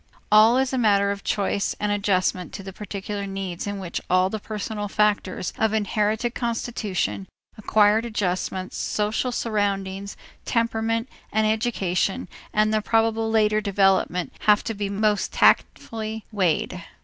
All is a matter of choice and adjustment to the particular needs in which all the personal factors of inherited constitution, acquired adjustments, social surroundings, temperament, and education, and the probable later development have to be most tactfully weighed.